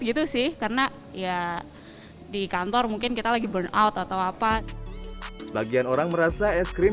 gitu sih karena ya di kantor mungkin kita lagi burnout atau apa sebagian orang merasa es krim